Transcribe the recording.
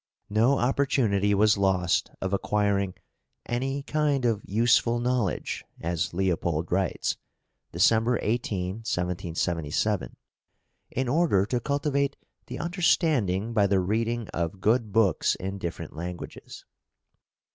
No opportunity was lost of acquiring "any kind of useful knowledge," as Leopold writes (December 18, 1777), "in order to cultivate the understanding by the reading of good books in different languages."